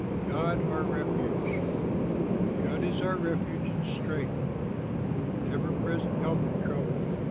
GOD OUR REFUGE God is our refuge and strength, An ever present help in trouble.